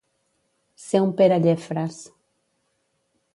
Ser un Pere Llefres.